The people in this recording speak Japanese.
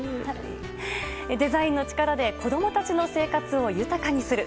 デザインの力で子供たちの生活を豊かにする。